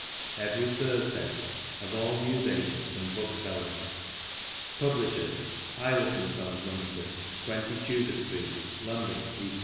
EVERY THURSDAY of all Newsagents and Booksellers. Publishers : ILIFFE & SONS. LIMITED 20 Tudor Street, London, E.